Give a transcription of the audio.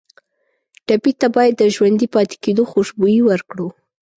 ټپي ته باید د ژوندي پاتې کېدو خوشبويي ورکړو.